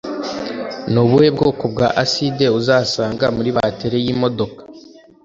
Ni ubuhe bwoko bwa Acide Uzasanga muri Bateri yimodoka